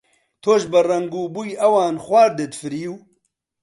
تۆش بە ڕەنگ و بۆی ئەوان خواردت فریو؟